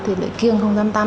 thì kiêng không dám tắm